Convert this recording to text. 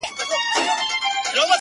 ستا وه ديدن ته هواداره يمه _